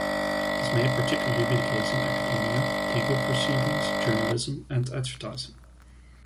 This may particularly be the case in academia, legal proceedings, journalism and advertising.